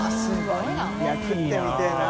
い食ってみてぇな。